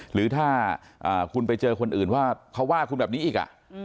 หรือถ้าคุณไปเจอคนอื่นว่าเขาว่าคุณแบบนี้อีก